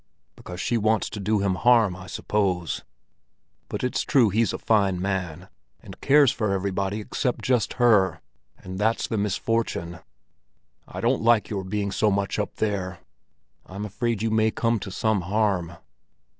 "Because she wants to do him harm, I suppose. But it's true he's a fine man—and cares for everybody except just her; and that's the misfortune. I don't like your being so much up there; I'm so afraid you may come to some harm."